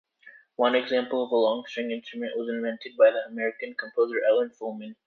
One example of a long-string instrument was invented by the American composer Ellen Fullman.